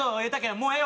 もうええわ。